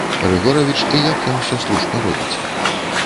Рыгоравіч і як ён усё слушна робіць.